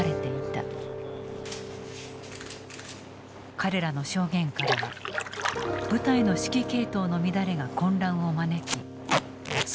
彼らの証言からは部隊の指揮系統の乱れが混乱を招き損失を広げた実態が見えてきた。